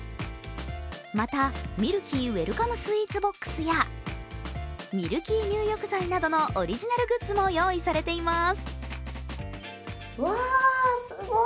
また、ミルキーウェルカムスウィーツＢＯＸや、ミルキー入浴剤などのオリジナルグッズも用意されています。